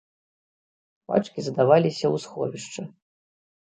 Пачкі здаваліся ў сховішча.